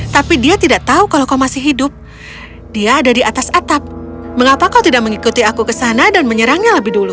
tapi dia tidak tahu kalau kau masih hidup dia ada di atas atap mengapa kau tidak mengikuti aku ke sana dan menyerangnya lebih dulu